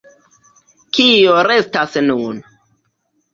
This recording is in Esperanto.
Kio restas nun?